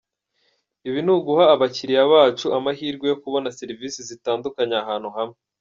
Ibi ni uguha abakiliya bacu amahirwe yo kubona serivisi zitandukanye ahantu hamwe.